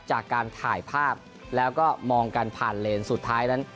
จากการถ่ายภาพแล้วก็มองกันผ่านเลนสุดท้ายนั้น